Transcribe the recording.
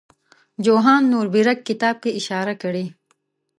جوهان نوربیرګ کتاب کې اشاره کړې.